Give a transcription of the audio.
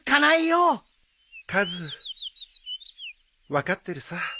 カズ分かってるさ。